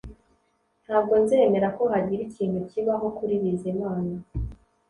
Ntabwo nzemera ko hagira ikintu kibaho kuri Bizimana